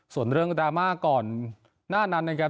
ส่วนเรื่องดราม่าก่อนหน้านั้นนะครับ